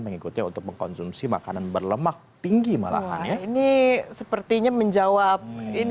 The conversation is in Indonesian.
mengikutnya untuk mengkonsumsi makanan berlemak tinggi malah hanya ini sepertinya menjawab ini